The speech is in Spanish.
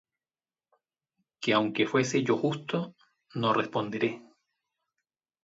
Que aunque fuese yo justo, no responderé;